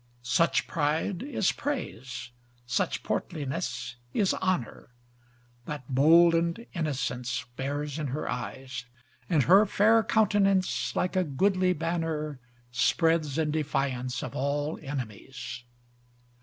Such pride is praise, such portliness is honor, That boldened innocence bears in her eyes: And her fair countenance like a goodly banner, Spreads in defiance of all enemies.